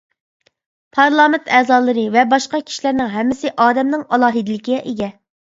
پارلامېنت ئەزالىرى ۋە باشقا كىشىلەرنىڭ ھەممىسى ئادەمنىڭ ئالاھىدىلىكىگە ئىگە.